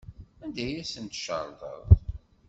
Anda ay asent-tcerḍeḍ?